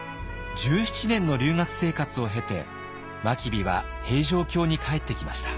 １７年の留学生活を経て真備は平城京に帰ってきました。